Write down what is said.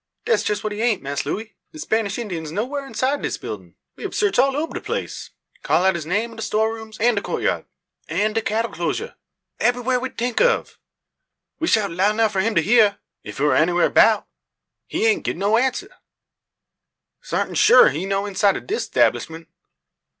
"Dat's jess what he aint, Mass Looey. De Spanish Indyin's no whar inside dis buildin'. We hab sarch all oba de place; call out his name in de store rooms, an' de coatyard, an' de cattle closure ebbery wha we tink of. We shout loud nuf for him to hyeer, ef he war anywha 'bout. He haint gib no answer. Sartin shoo he no inside o' dis 'tablishment."